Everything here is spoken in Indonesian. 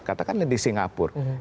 katakanlah di singapura